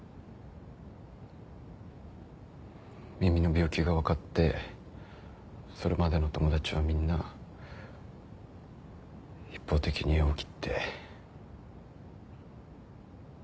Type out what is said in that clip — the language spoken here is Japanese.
耳の病気が分かってそれまでの友達はみんな一方的に縁を切って。